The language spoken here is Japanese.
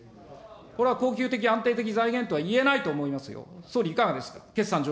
これは恒久的、安定的財源とはいえないと思いますよ。